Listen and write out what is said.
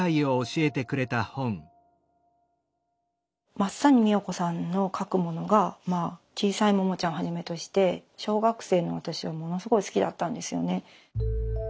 松谷みよ子さんの書くものが「ちいさいモモちゃん」をはじめとして小学生の私はものすごい好きだったんですよね。